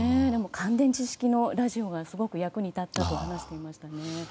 乾電池式のラジオがすごく役に立ったと話していました。